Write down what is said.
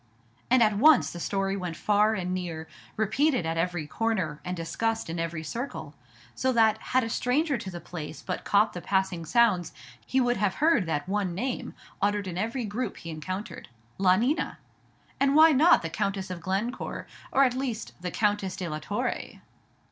And at once the story went far and near, repeated at every corner, and discussed in every circle; so that had a stranger to the place but caught the passing sounds, he would have heard that one name uttered in every group he encountered. La Nina! and why not the Countess of Glencore, or, at least, the Countess de la Torre?